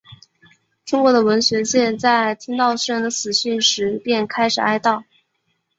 中国的文学界在听到诗人的死讯时便开始哀悼。